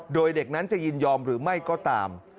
โดยเด็กนั้นจะยินยอมหรือไม่ก็ตาม